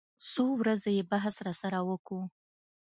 څو ورځې يې بحث راسره وکو.